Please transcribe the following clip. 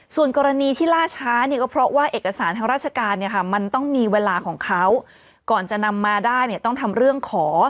ส่วนกรณีที่ล่าช้าเนี่ยก็เพราะว่าเอกสารทางราชการเนี่ยค่ะมันต้องมีเวลาของเขาก่อนจะนำมาได้เนี่ยต้องทำเรื่องขอ